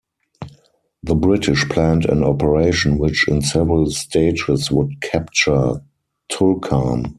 The British planned an operation which in several stages would capture Tulkarm.